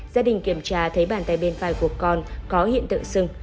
gia đình kiểm tra thấy bàn tay bên phải của con có hiện tượng sưng